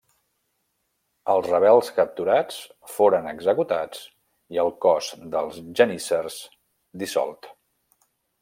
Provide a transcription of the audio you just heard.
Els rebels capturats foren executats i el cos dels geníssers dissolt.